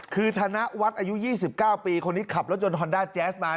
คือธนวัฒน์อายุ๒๙ปีคนนี้ขับรถยนต์ฮอนด้าแจ๊สมา